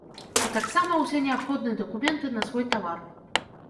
А таксама ўсе неабходныя дакументы на свой тавар.